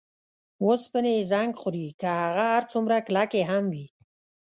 اوسپنې یې زنګ خوري که هغه هر څومره کلکې هم وي.